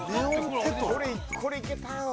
これいけたよ。